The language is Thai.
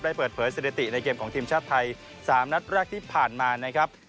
เปิดเผยสถิติในเกมของทีมชาติไทย๓นัดแรกที่ผ่านมานะครับ